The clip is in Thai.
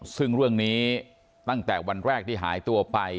ซึ่งเรื่องนี้ตั้งแต่วันแรกที่หายตัวไป